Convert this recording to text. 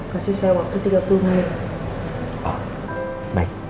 kasih saya waktu tiga puluh menit